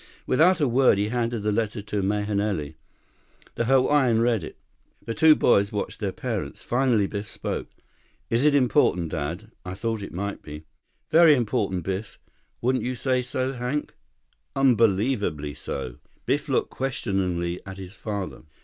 Without a word, he handed the letter to Mahenili. The Hawaiian read it. The two boys watched their parents. Finally Biff spoke. "Is it important, Dad? I thought it might be." "Very important, Biff. Wouldn't you say so, Hank?" "Unbelievably so." Biff looked questioningly at his father.